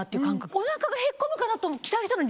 おなかがへっこむかなと期待したのに。